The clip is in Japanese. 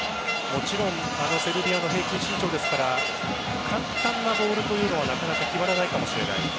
もちろんあのセルビアの平均身長ですから簡単なボールというのはなかなか決まらないかもしれない。